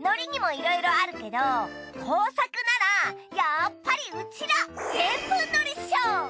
のりにもいろいろあるけど工作ならやっぱりうちらでんぷんのりっしょ。